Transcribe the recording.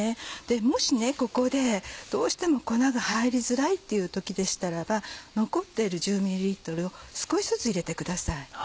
もしここでどうしても粉が入りづらいっていう時でしたらば残っている１０ｍを少しずつ入れてください。